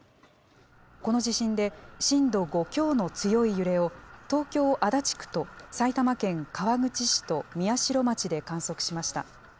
この地震で震度５強の強い揺れを、東京・足立区と埼玉県川口市と宮代町で観測しました。